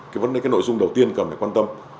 cái vấn đề cái nội dung đầu tiên cần phải quan tâm